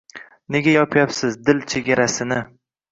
Nega yopmaysiz dil chegarasini?